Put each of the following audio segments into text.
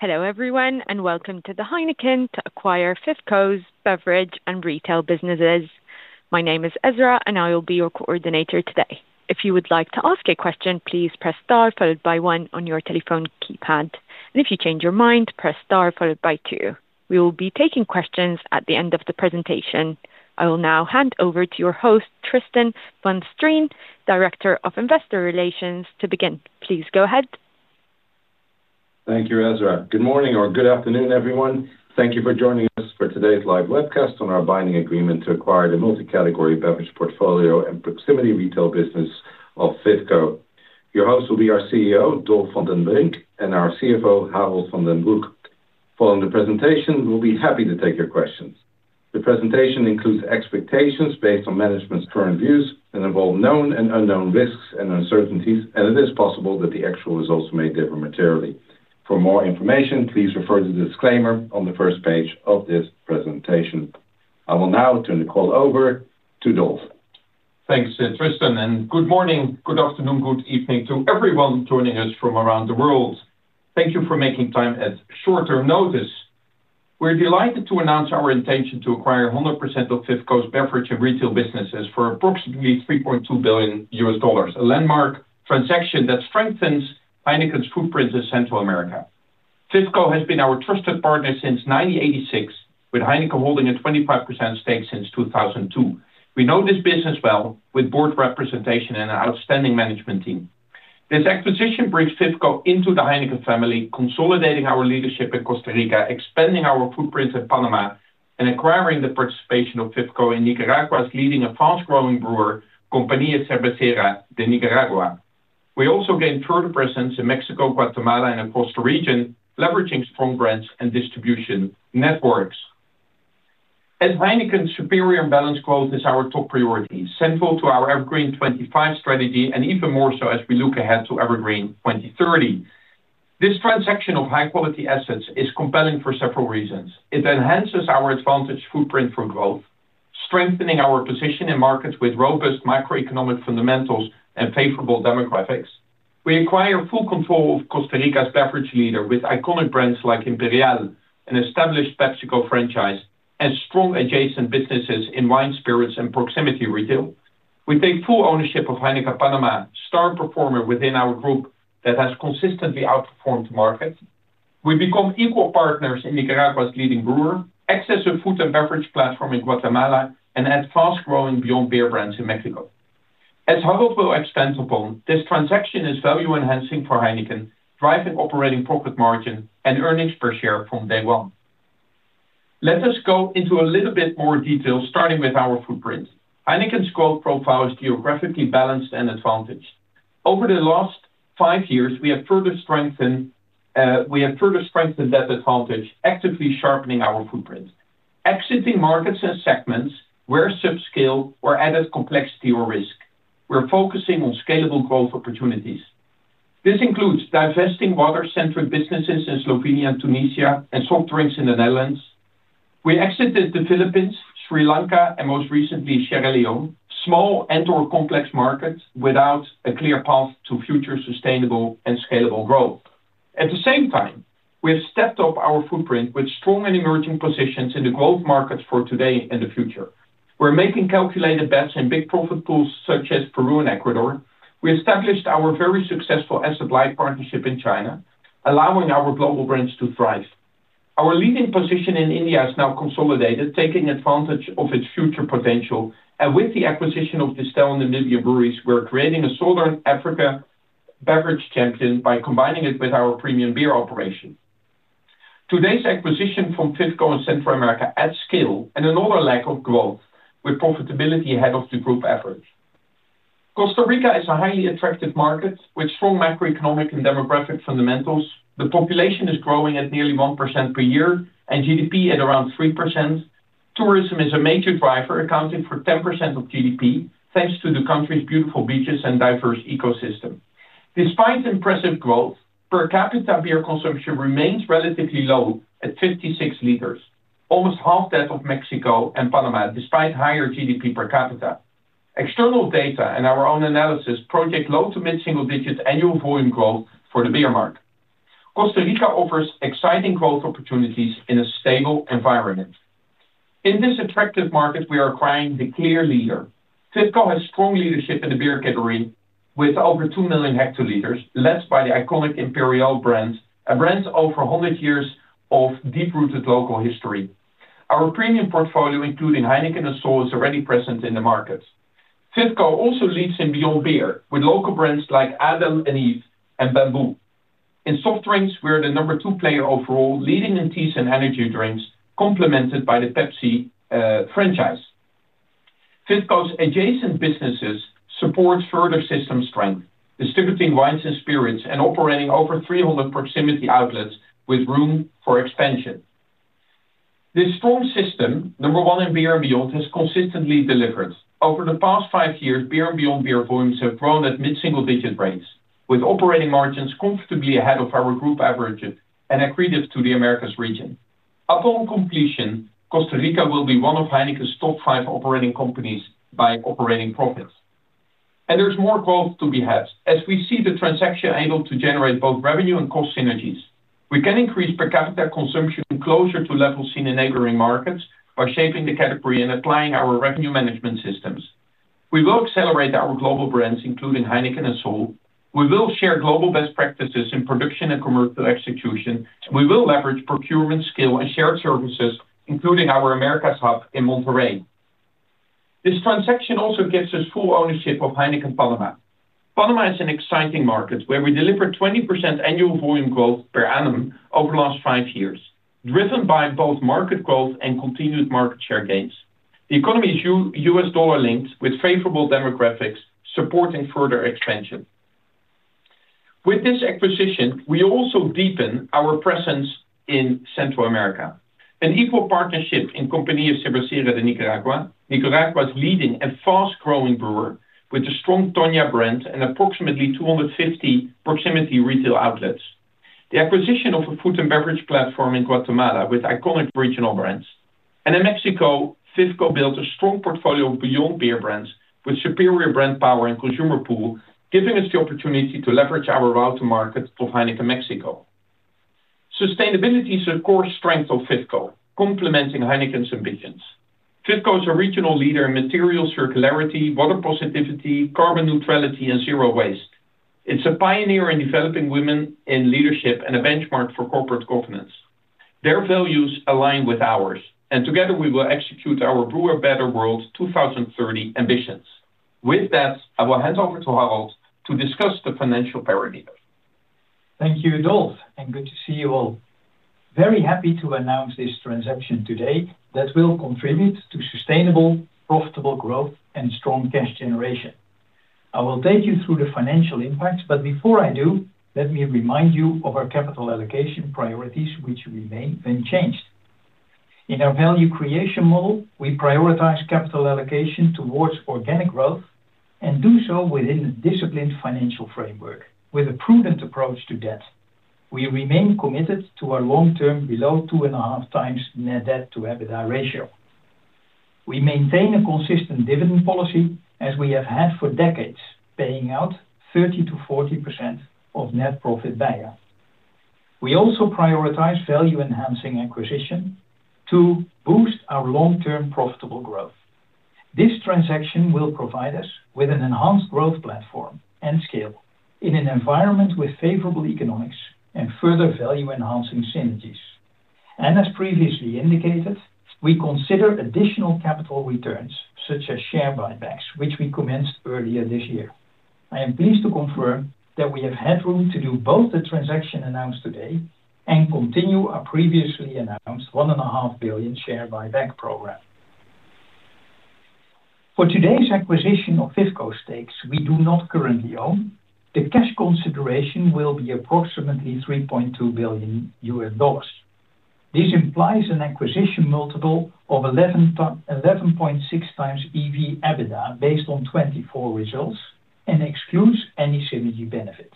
Hello everyone and welcome to the HEINEKEN to acquire FIFCO's beverage and retail businesses. My name is Ezra and I will be your coordinator today. If you would like to ask a question, please press star followed by one on your telephone keypad. If you change your mind, press star followed by two. We will be taking questions at the end of the presentation. I will now hand over to your host, Tristan van Strien, Director of Investor Relations, to begin. Please go ahead. Thank you, Ezra. Good morning or good afternoon, everyone. Thank you for joining us for today's live webcast on our binding agreement to acquire the multi-category beverage portfolio and proximity retail business of FIFCO. Your host will be our CEO, Dolf van den Brink, and our CFO, Harold van den Broek. Following the presentation, we'll be happy to take your questions. The presentation includes expectations based on management's current views and of all known and unknown risks and uncertainties, and it is possible that the actual results may differ materially. For more information, please refer to the disclaimer on the first page of this presentation. I will now turn the call over to Dolf. Thanks, Tristan, and good morning, good afternoon, good evening to everyone joining us from around the world. Thank you for making time at shorter notice. We're delighted to announce our intention to acquire 100% of FIFCO's beverage and retail businesses for approximately $3.2 billion, a landmark transaction that strengthens HEINEKEN's footprint in Central America. FIFCO has been our trusted partner since 1986, with HEINEKEN holding a 25% stake since 2002. We know this business well with board representation and an outstanding management team. This acquisition brings FIFCO into the HEINEKEN family, consolidating our leadership in Costa Rica, expanding our footprint in Panama, and acquiring the participation of FIFCO in Nicaragua's leading and fast-growing brewer, Compañía Cervecera de Nicaragua. We also gain further presence in Mexico, Guatemala, and the Costa Rica region, leveraging strong brands and distribution networks. As HEINEKEN, superior and balanced growth is our top priority, central to our EverGreen 25 strategy, and even more so as we look ahead to EverGreen 2030. This transaction of high-quality assets is compelling for several reasons. It enhances our advantaged footprint for growth, strengthening our position in markets with robust macroeconomic fundamentals and favorable demographics. We acquire full control of Costa Rica's beverage leader with iconic brands like Imperial, an established PepsiCo franchise, and strong adjacent businesses in wine, spirits, and proximity retail. We take full ownership of HEINEKEN Panama, a star performer within our group that has consistently outperformed the market. We become equal partners in Nicaragua's leading brewer, an extensive food and beverage platform in Guatemala, and have fast-growing beyond beer brands in Mexico. As Harold will expand upon, this transaction is value-enhancing for HEINEKEN, driving operating profit margin and earnings per share from day one. Let us go into a little bit more detail, starting with our footprint. HEINEKEN's growth profile is geographically balanced and advantaged. Over the last five years, we have further strengthened that advantage, actively sharpening our footprint. Exiting markets and segments where subscale or added complexity or risk, we're focusing on scalable growth opportunities. This includes divesting water-centric businesses in Slovenia, Tunisia, and soft drinks in the Netherlands. We exited the Philippines, Sri Lanka, and most recently, Sierra Leone, small and/or complex markets without a clear path to future sustainable and scalable growth. At the same time, we have stepped up our footprint with strong and emerging positions in the growth markets for today and the future. We're making calculated bets in big profit pools such as Peru and Ecuador. We established our very successful asset-blind partnership in China, allowing our global brands to thrive. Our leading position in India is now consolidated, taking advantage of its future potential. With the acquisition of Distell and Namibia Breweries, we're creating a Southern Africa beverage champion by combining it with our premium beer operation. Today's acquisition from FIFCO in Central America adds scale and another layer of growth, with profitability ahead of the group average. Costa Rica is a highly attractive market with strong macroeconomic and demographic fundamentals. The population is growing at nearly 1% per year and GDP at around 3%. Tourism is a major driver, accounting for 10% of GDP, thanks to the country's beautiful beaches and diverse ecosystem. Despite impressive growth, per capita beer consumption remains relatively low at 56 L, almost half that of Mexico and Panama, despite higher GDP per capita. External data and our own analysis project low to mid-single-digit annual volume growth for the beer market. Costa Rica offers exciting growth opportunities in a sustainable environment. In this attractive market, we are acquiring the clear leader. FIFCO has strong leadership in the beer category with over 2 million hL, led by the iconic Imperial brand, a brand's over 100 years of deep-rooted local history. Our premium portfolio, including HEINEKEN and so on, is already present in the market. FIFCO also leads in beyond beer with local brands like Adán & Eva and BAMBOO. In soft drinks, we're the number two player overall, leading in teas and energy drinks, complemented by the PepsiCo franchise. FIFCO's adjacent businesses support further system strength, distributing wines and spirits and operating over 300 proximity retail outlets with room for expansion. This strong system, number one in beer and beer beyond, has consistently delivered. Over the past five years, beer and beyond beer volumes have grown at mid-single-digit rates, with operating margins comfortably ahead of our group averages and accretive to the Americas region. Upon completion, Costa Rica will be one of HEINEKEN's top five operating companies by operating profits. There is more growth to be had as we see the transaction angle to generate both revenue and cost synergies. We can increase per capita consumption closer to levels seen in neighboring markets by shaping the category and applying our revenue management systems. We will accelerate our global brands, including HEINEKEN and so on. We will share global best practices in production and commercial execution. We will leverage procurement, scale, and shared services, including our Americas hub in Monterrey. This transaction also gives us full ownership of HEINEKEN Panama. Panama is an exciting market where we delivered 20% annual volume growth per annum over the last five years, driven by both market growth and continued market share gains. The economy is U.S. dollar linked with favorable demographics, supporting further expansion. With this acquisition, we also deepen our presence in Central America. An equal partnership in Compañía Cervecera de Nicaragua, Nicaragua's leading and fast-growing brewer with a strong Toña brand and approximately 250 proximity retail outlets. The acquisition of a food and beverage platform in Guatemala with iconic regional brands. In Mexico, FIFCO built a strong portfolio of beyond beer brands with superior brand power and consumer pull, giving us the opportunity to leverage our route to market of HEINEKEN Mexico. Sustainability is a core strength of FIFCO, complementing HEINEKEN's ambitions. Fifco is a regional leader in material circularity, water positivity, carbon neutrality, and zero waste. It is a pioneer in developing women in leadership and a benchmark for corporate governance. Their values align with ours, and together we will execute our Brew a Better World 2030 ambitions. With that, I will hand over to Harold to discuss the financial paradigm. Thank you, Dolf, and good to see you all. Very happy to announce this transaction today that will contribute to sustainable, profitable growth and strong cash generation. I will take you through the financial impacts, but before I do, let me remind you of our capital allocation priorities, which remain unchanged. In our value creation model, we prioritize capital allocation towards organic growth and do so within a disciplined financial framework with a prudent approach to debt. We remain committed to our long-term below 2.5x net debt to EBITDA ratio. We maintain a consistent dividend policy as we have had for decades, paying out 30%-40% of net profit value. We also prioritize value-enhancing acquisition to boost our long-term profitable growth. This transaction will provide us with an enhanced growth platform and scale in an environment with favorable economics and further value-enhancing synergies. As previously indicated, we consider additional capital returns such as share buybacks, which we commenced earlier this year. I am pleased to confirm that we have had room to do both the transaction announced today and continue our previously announced $1.5 billion share buyback program. For today's acquisition of FIFCO stakes we do not currently own, the cash consideration will be approximately $3.2 billion. This implies an acquisition multiple of 11.6x EV/EBITDA based on 2024 results and excludes any synergy benefit.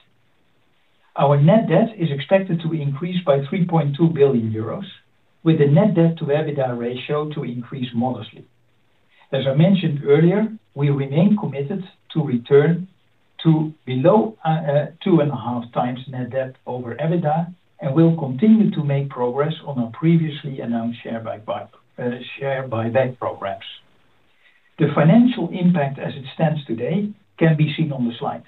Our net debt is expected to increase by 3.2 billion euros, with the net debt to EBITDA ratio to increase modestly. As I mentioned earlier, we remain committed to return to below 2.5x net debt over EBITDA and will continue to make progress on our previously announced share buyback programs. The financial impact as it stands today can be seen on the slide,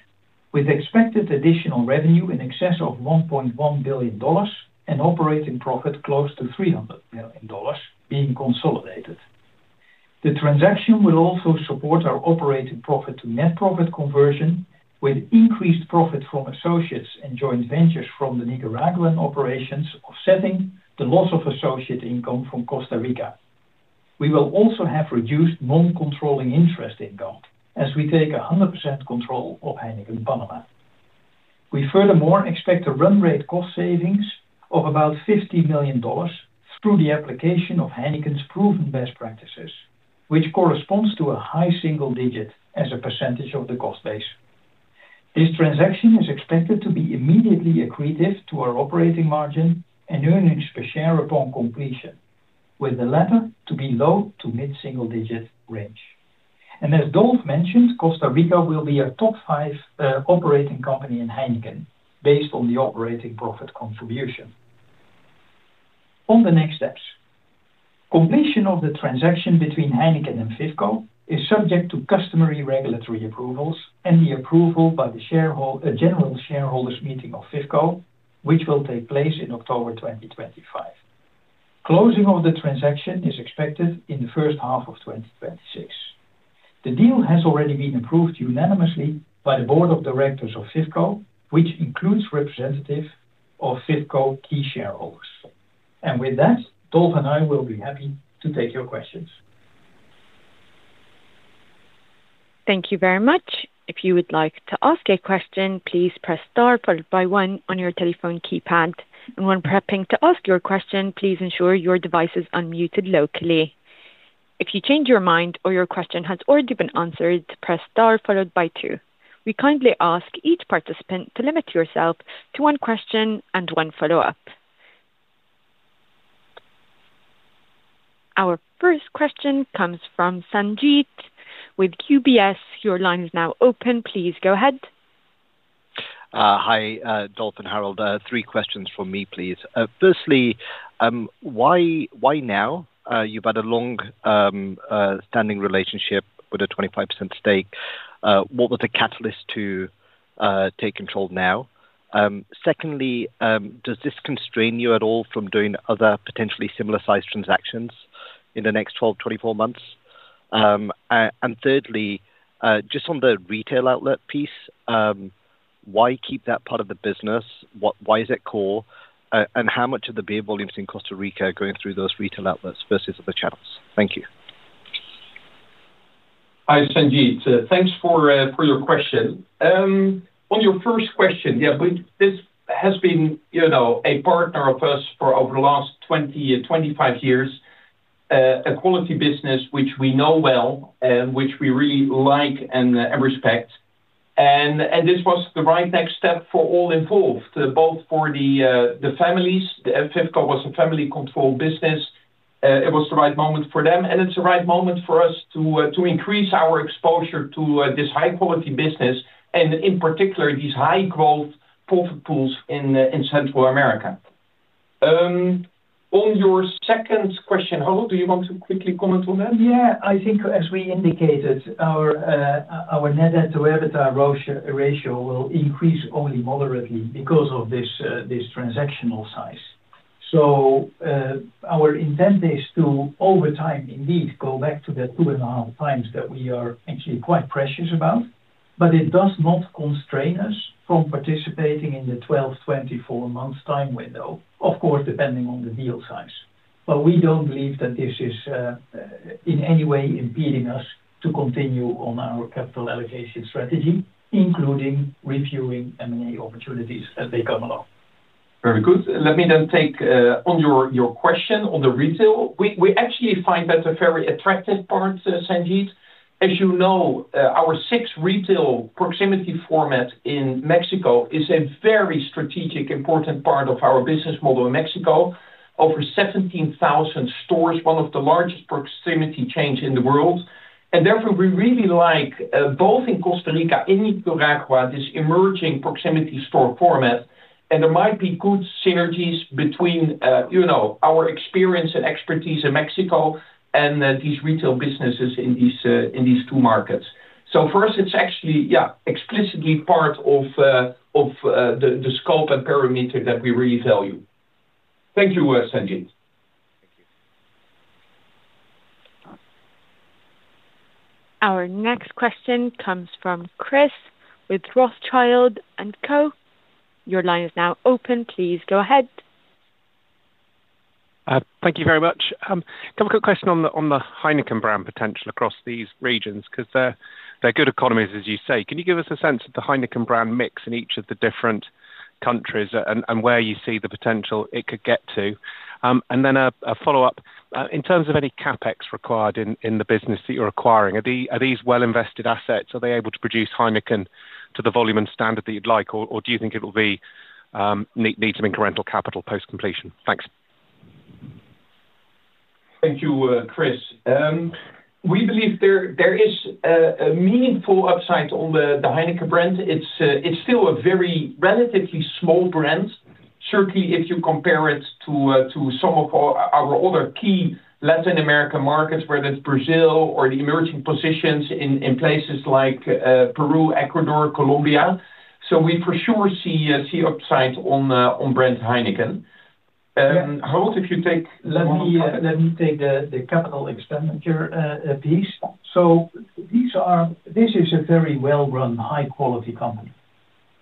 with expected additional revenue in excess of $1.1 billion and operating profit close to $300 million being consolidated. The transaction will also support our operating profit to net profit conversion with increased profit from associates and joint ventures from the Nicaraguan operations offsetting the loss of associate income from Costa Rica. We will also have reduced non-controlling interest income as we take 100% control of HEINEKEN Panama. We furthermore expect a run rate cost savings of about $50 million through the application of HEINEKEN's proven best practices, which corresponds to a high single digit as a percentage of the cost base. This transaction is expected to be immediately accretive to our operating margin and earnings per share upon completion, with the latter to be in the low to mid-single digit range. As Dolf mentioned, Costa Rica will be our top five operating company in HEINEKEN based on the operating profit contribution. On the next steps, completion of the transaction between HEINEKEN and FIFCO is subject to customary regulatory approvals and the approval by the general shareholders' meeting of FIFCO, which will take place in October 2025. Closing of the transaction is expected in the first half of 2026. The deal has already been approved unanimously by the board of directors of FIFCO, which includes representatives of FIFCO key shareholders. Dolf and I will be happy to take your questions. Thank you very much. If you would like to ask a question, please press star followed by one on your telephone keypad. When prepping to ask your question, please ensure your device is unmuted locally. If you change your mind or your question has already been answered, press star followed by two. We kindly ask each participant to limit yourself to one question and one follow-up. Our first question comes from Sanjeet with UBS. Your line is now open. Please go ahead. Hi, Dolf and Harold. Three questions from me, please. Firstly, why now? You've had a long-standing relationship with a 25% stake. What was the catalyst to take control now? Secondly, does this constrain you at all from doing other potentially similar sized transactions in the next 12 to 24 months? Thirdly, just on the retail outlet piece, why keep that part of the business? Why is it core? How much of the beer volumes in Costa Rica are going through those retail outlets versus other channels? Thank you. Hi, Sanjeet. Thanks for your question. On your first question, yeah, this has been a partner of ours for over the last 20, 25 years, a quality business which we know well and which we really like and respect. This was the right next step for all involved, both for the families. FIFCO was a family-controlled business. It was the right moment for them, and it's the right moment for us to increase our exposure to this high-quality business and in particular these high-growth profit pools in Central America. On your second question, Harold, do you want to quickly comment on that? Yeah, I think as we indicated, our net debt to EBITDA ratio will increase only moderately because of this transactional size. Our intent is to, over time, indeed go back to the 2.5x that we are actually quite precious about. It does not constrain us from participating in the 12 to 24 months time window, of course, depending on the deal size. We don't believe that this is in any way impeding us to continue on our capital allocation strategy, including reviewing M&A opportunities as they come along. Very good. Let me then take on your question on the retail. We actually find that a very attractive part, Sanjeet. As you know, our six retail proximity format in Mexico is a very strategic, important part of our business model in Mexico. Over 17,000 stores, one of the largest proximity chains in the world. Therefore, we really like both in Costa Rica and Nicaragua, this emerging proximity store format. There might be good synergies between our experience and expertise in Mexico and these retail businesses in these two markets. For us, it's actually, yeah, explicitly part of the scope and parameter that we really value. Thank you, Sanjeet. Our next question comes from Chris with Rothschild & Co. Your line is now open. Please go ahead. Thank you very much. I have a quick question on the HEINEKEN brand potential across these regions because they're good economies, as you say. Can you give us a sense of the HEINEKEN brand mix in each of the different countries and where you see the potential it could get to? In terms of any CapEx required in the business that you're acquiring, are these well-invested assets? Are they able to produce HEINEKEN to the volume and standard that you'd like, or do you think it will need some incremental capital post-completion? Thanks. Thank you, Chris. We believe there is a meaningful upside on the HEINEKEN brand. It's still a very relatively small brand, certainly if you compare it to some of our other key Latin American markets, whether it's Brazil or the emerging positions in places like Peru, Ecuador, Colombia. We for sure see upside on brand HEINEKEN. Harold, if you take that. Let me take the capital expenditure piece. These are, this is a very well-run, high-quality company.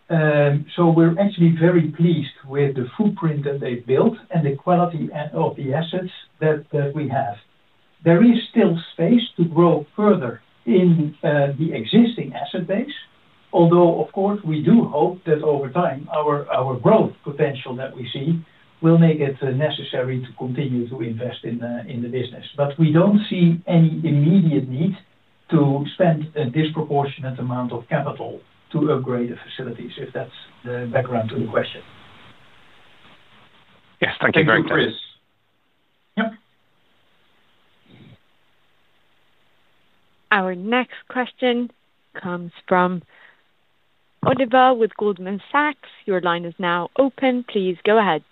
We're actually very pleased with the footprint that they've built and the quality of the assets that we have. There is still space to grow further in the existing asset base, although, of course, we do hope that over time our growth potential that we see will make it necessary to continue to invest in the business. We don't see any immediate need to spend a disproportionate amount of capital to upgrade the facilities, if that's the background to the question. Yes, thank you very much. Thank you, Chris. Our next question comes from Oliver with Goldman Sachs. Your line is now open. Please go ahead.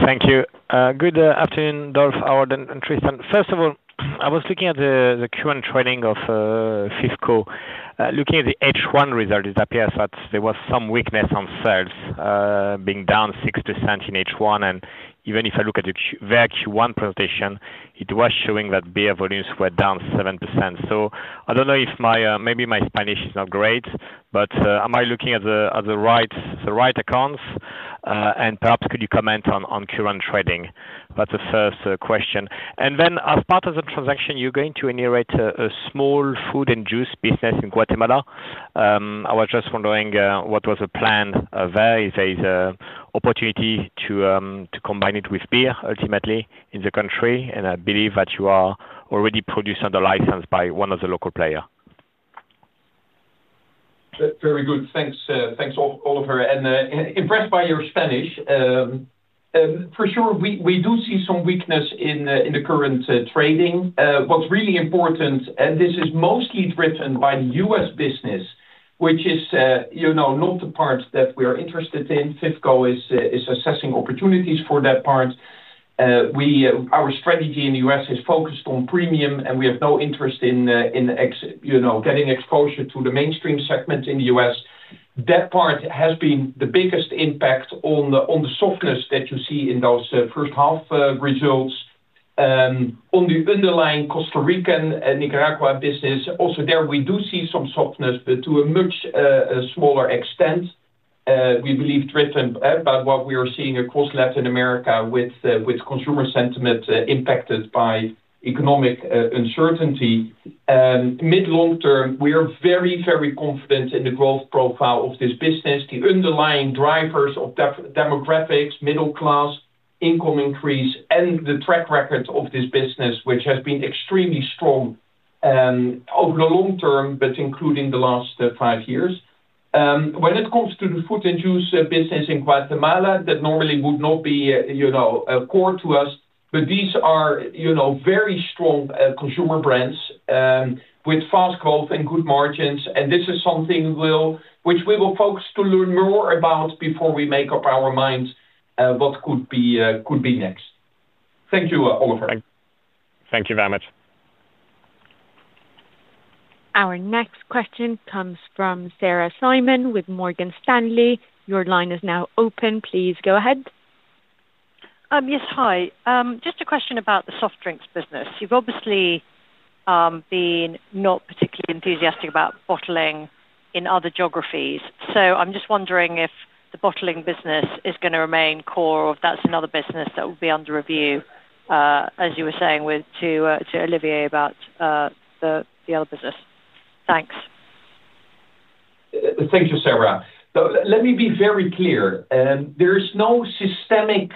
Thank you. Good afternoon, Dolf, Harold, and Tristan. First of all, I was looking at the Q1 trading of FIFCO, looking at the H1 result. It appears that there was some weakness on sales, being down 6% in H1. Even if I look at the very Q1 presentation, it was showing that beer volumes were down 7%. I don't know if my, maybe my Spanish is not great, but am I looking at the right accounts? Perhaps, could you comment on Q1 trading? That's the first question. As part of the transaction, you're going to inherit a small food and juice business in Guatemala. I was just wondering what was the plan there? Is there an opportunity to combine it with beer ultimately in the country? I believe that you are already produced under license by one of the local players. Very good. Thanks, Oliver. Impressed by your Spanish. For sure, we do see some weakness in the current trading. What's really important, and this is mostly driven by the U.S. business, which is not the part that we're interested in. FIFCO is assessing opportunities for that part. Our strategy in the U.S. is focused on premium, and we have no interest in getting exposure to the mainstream segment in the U.S. That part has been the biggest impact on the softness that you see in those first half results. On the underlying Costa Rican and Nicaragua business, also there, we do see some softness, but to a much smaller extent. We believe driven by what we are seeing across Latin America with consumer sentiment impacted by economic uncertainty. Mid-long term, we are very, very confident in the growth profile of this business, the underlying drivers of demographics, middle class income increase, and the track record of this business, which has been extremely strong over the long term, including the last five years. When it comes to the food and juice business in Guatemala, that normally would not be core to us, but these are very strong consumer brands with fast growth and good margins. This is something which we will focus to learn more about before we make up our minds what could be next. Thank you, Oliver. Thank you very much. Our next question comes from Sarah Simon with Morgan Stanley. Your line is now open. Please go ahead. Yes, hi. Just a question about the soft drinks business. You've obviously been not particularly enthusiastic about bottling in other geographies. I'm just wondering if the bottling business is going to remain core or if that's another business that will be under review, as you were saying to Oliver about the other business. Thanks. Thank you, Sarah. Let me be very clear. There is no systemic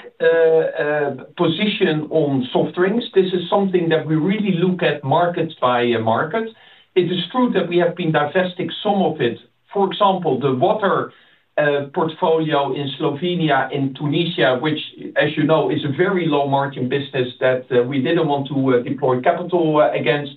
position on soft drinks. This is something that we really look at market by market. It is true that we have been divesting some of it. For example, the water portfolio in Slovenia and Tunisia, which, as you know, is a very low-margin business that we didn't want to deploy capital against.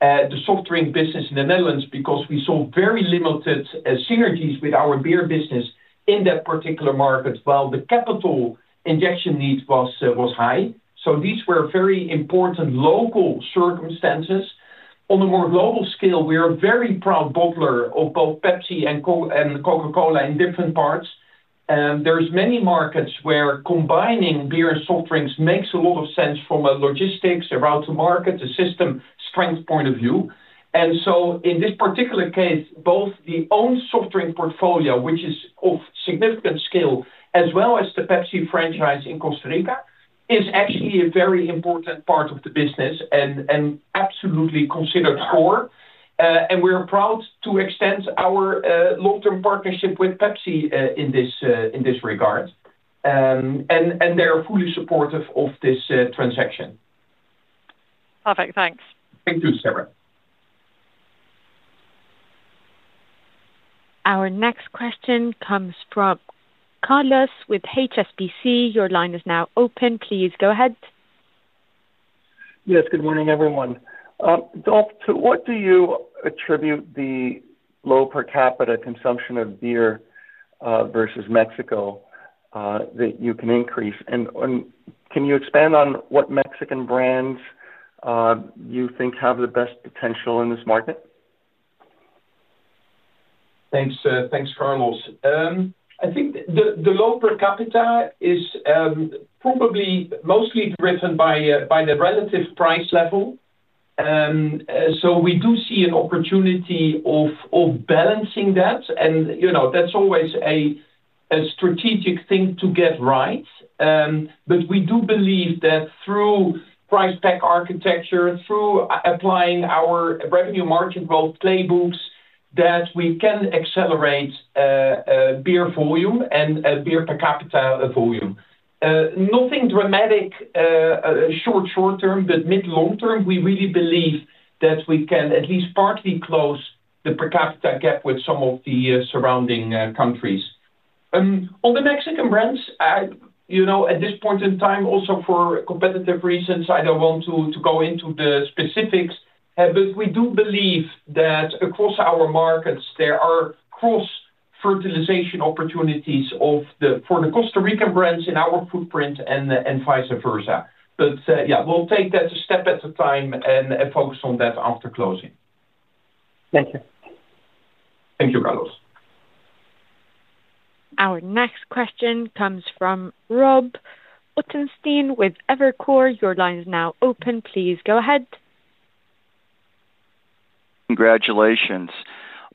The soft drink business in the Netherlands, because we saw very limited synergies with our beer business in that particular market, while the capital injection need was high. These were very important local circumstances. On a more global scale, we are a very proud bottler of both PepsiCo and Coca-Cola in different parts. There are many markets where combining beer and soft drinks makes a lot of sense from a logistics, a route to market, a system strength point of view. In this particular case, both the owned soft drink portfolio, which is of significant scale, as well as the PepsiCo franchise in Costa Rica, is actually a very important part of the business and absolutely considered core. We're proud to extend our long-term partnership with PepsiCo in this regard. They're fully supportive of this transaction. Perfect. Thanks. Our next question comes from Carlos with HSBC. Your line is now open. Please go ahead. Yes, good morning everyone. Dolf, to what do you attribute the low per capita consumption of beer versus Mexico that you can increase? Can you expand on what Mexican brands you think have the best potential in this market? Thanks, thanks Carlos. I think the low per capita is probably mostly driven by the relative price level. We do see an opportunity of balancing that. You know that's always a strategic thing to get right. We do believe that through price pack architecture, through applying our revenue market growth playbooks, we can accelerate beer volume and beer per capita volume. Nothing dramatic short-term, but mid-long term, we really believe that we can at least partly close the per capita gap with some of the surrounding countries. On the Mexican brands, at this point in time, also for competitive reasons, I don't want to go into the specifics, but we do believe that across our markets, there are cross-fertilization opportunities for the Costa Rican brands in our footprint and vice versa. We'll take that a step at a time and focus on that after closing. Thank you. Thank you, Carlos. Our next question comes from Rob Ottenstein with Evercore. Your line is now open. Please go ahead. Congratulations.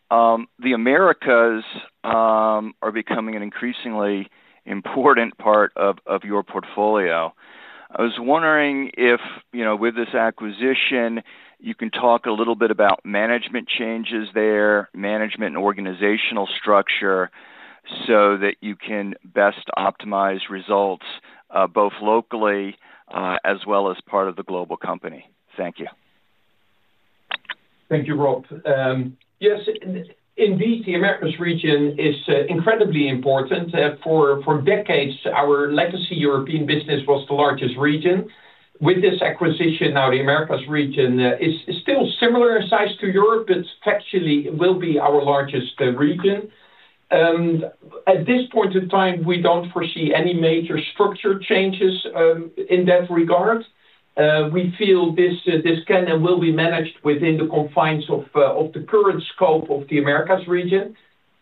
The Americas are becoming an increasingly important part of your portfolio. I was wondering if, with this acquisition, you can talk a little bit about management changes there, management and organizational structure, so that you can best optimize results both locally as well as part of the global company. Thank you. Thank you, Rob. Yes, indeed, the Americas region is incredibly important. For decades, our legacy European business was the largest region. With this acquisition, now the Americas region is still similar in size to Europe, but actually it will be our largest region. At this point in time, we don't foresee any major structure changes in that regard. We feel this can and will be managed within the confines of the current scope of the Americas region.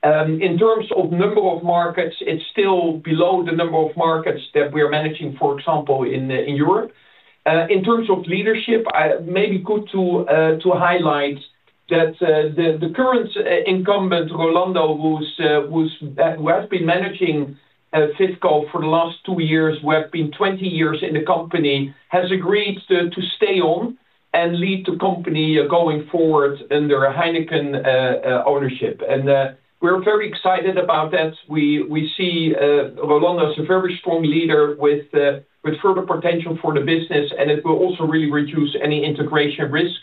In terms of the number of markets, it's still below the number of markets that we are managing, for example, in Europe. In terms of leadership, maybe good to highlight that the current incumbent, Rolando, who has been managing FIFCO for the last two years, who has been 20 years in the company, has agreed to stay on and lead the company going forward under a HEINEKEN ownership. We're very excited about that. We see Rolando as a very strong leader with further potential for the business, and it will also really reduce any integration risk.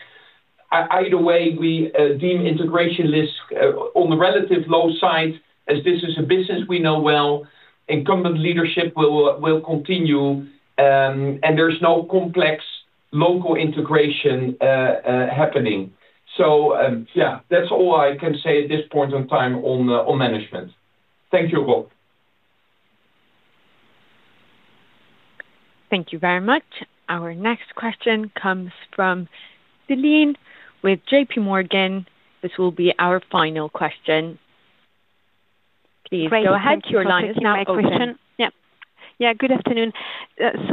Either way, we deem integration risk on the relative low side as this is a business we know well. Incumbent leadership will continue, and there's no complex local integration happening. That's all I can say at this point in time on management. Thank you, Rob. Thank you very much. Our next question comes from [Celine] with JPMorgan. This will be our final question. Please go ahead. Your line is now open. Good afternoon.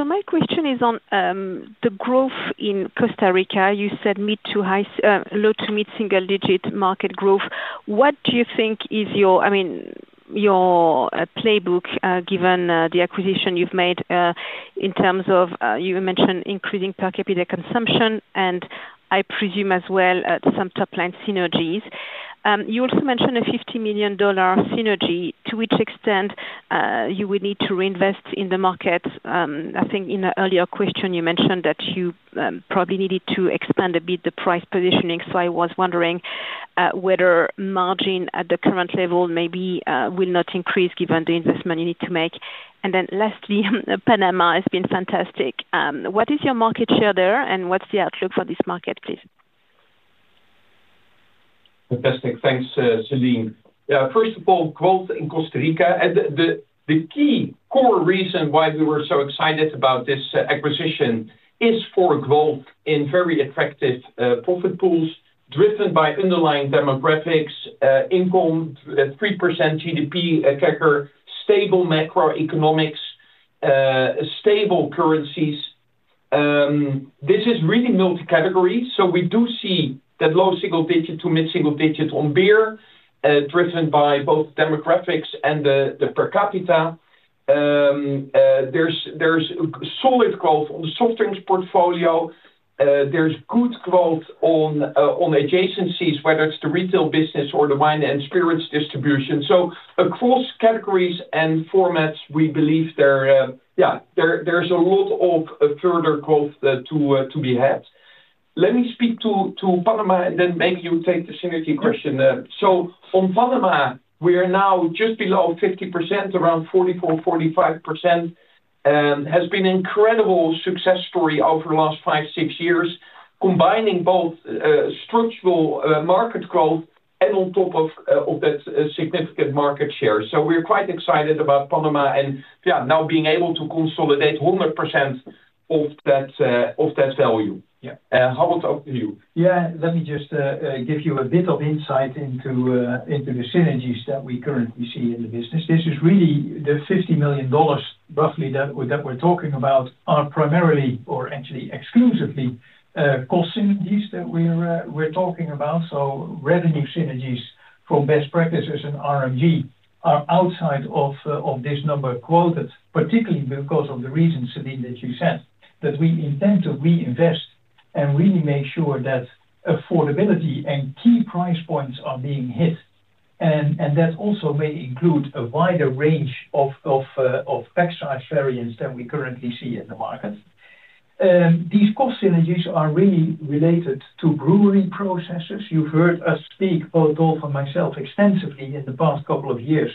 My question is on the growth in Costa Rica. You said low to mid-single-digit market growth. What do you think is your playbook given the acquisition you've made in terms of, you mentioned increasing per capita consumption and I presume as well some top-line synergies? You also mentioned a $50 million synergy. To which extent would you need to reinvest in the market? I think in an earlier question, you mentioned that you probably needed to expand a bit the price positioning. I was wondering whether margin at the current level maybe will not increase given the investment you need to make. Lastly, Panama has been fantastic. What is your market share there and what's the outlook for this market, please? Fantastic. Thanks, [Celine]. First of all, growth in Costa Rica. The key core reason why we were so excited about this acquisition is for growth in very attractive profit pools driven by underlying demographics, income, 3% GDP CAC, stable macroeconomics, stable currencies. This is really multi-category. We do see that low single digit to mid-single digit on beer, driven by both demographics and the per capita. There's solid growth on the soft drinks portfolio. There's good growth on adjacencies, whether it's the retail business or the wine and spirits distribution. Across categories and formats, we believe there's a lot of further growth to be had. Let me speak to Panama and then maybe you take the synergy question. On Panama, we are now just below 50%, around 44%, 45%, and it has been an incredible success story over the last five, six years, combining both structural market growth and on top of that significant market share. We're quite excited about Panama and now being able to consolidate 100% of that value. Harold, over to you. Yeah, let me just give you a bit of insight into the synergies that we currently see in the business. This is really the $50 million bucket that we're talking about, primarily or actually exclusively cost synergies that we're talking about. Revenue synergies from best practices and R&D are outside of this number quoted, particularly because of the reasons, Celine, that you said, that we intend to reinvest and really make sure that affordability and key price points are being hit. That also may include a wider range of pack size variants than we currently see in the market. These cost synergies are really related to brewery processes. You've heard us speak, both Dolf and myself, extensively in the past couple of years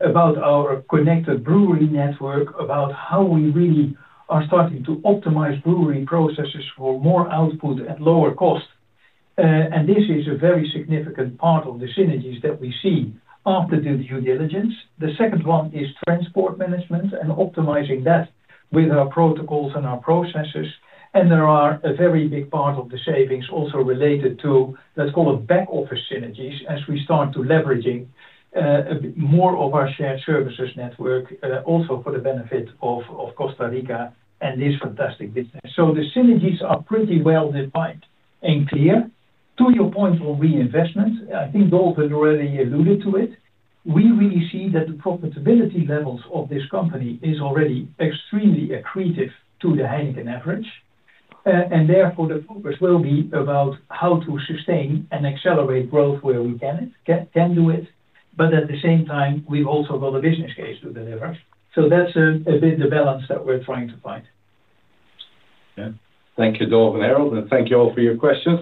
about our connected brewery network, about how we really are starting to optimize brewery processes for more output and lower cost. This is a very significant part of the synergies that we see after the due diligence. The second one is transport management and optimizing that with our protocols and our processes. There are a very big part of the savings also related to, let's call it, back-office synergies as we start to leverage more of our shared services network, also for the benefit of Costa Rica and this fantastic business. The synergies are pretty well defined and clear. To your point on reinvestment, I think Dolf has already alluded to it. We really see that the profitability levels of this company are already extremely accretive to the HEINEKEN average. Therefore, the focus will be about how to sustain and accelerate growth where we can do it. At the same time, we also want a business case to deliver. That's a bit the balance that we're trying to find. Thank you, Dolf and Harold, and thank you all for your questions.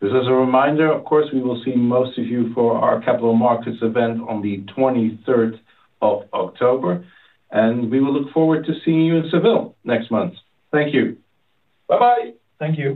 This is a reminder, of course, we will see most of you for our Capital Markets event on the 23rd of October. We will look forward to seeing you in Seville next month. Thank you. Bye-bye. Thank you.